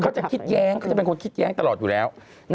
เขาจะคิดแย้งเขาจะเป็นคนคิดแย้งตลอดอยู่แล้ว